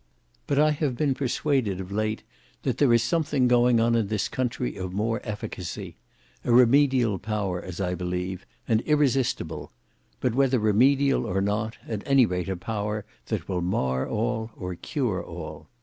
But I have been persuaded of late that there is something going on in this country of more efficacy; a remedial power, as I believe, and irresistible; but whether remedial or not, at any rate a power that will mar all or cure all.